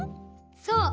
そう！